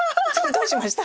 どうしました？